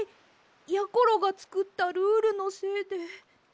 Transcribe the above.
やころがつくったルールのせいで。